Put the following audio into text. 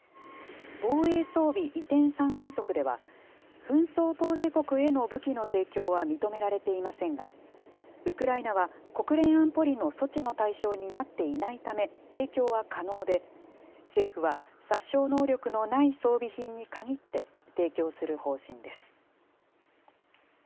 防衛装備移転三原則では、紛争当事国への武器の提供は認められていませんが、ウクライナは国連安保理の措置の対象になっていないため、提供は可能で、政府は、殺傷能力のない装備品に限って提供する方針です。